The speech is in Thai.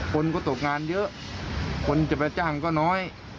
คนก็ตกงานเยอะคนจะไปจ้างก็น้อย